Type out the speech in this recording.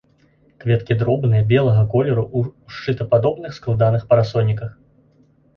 Кветкі дробныя, белага колеру, у шчытападобных складаных парасоніках.